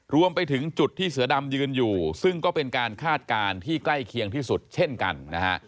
รวมไปถึงจุดที่เสือดำยืนอยู่ซึ่งก็เป็นการคาดการณ์ที่ใกล้เคียงที่สุดเช่นกันนะฮะ